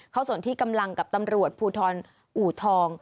ส่วนที่กำลังกับตำรวจภูทรอูทอง